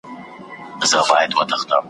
آیینه ماته که چي ځان نه وینم تا ووینم `